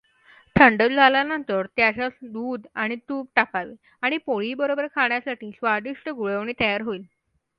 थंडझाल्यानंतर त्याच्यात दुध आणि तूप टाकावे आणि पोळीबरोबर खाण्यासाठी स्वादिष्ट गुळवणी तयार होईल.